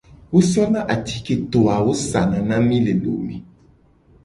Wo sona atiketo awo sana na mi le lome.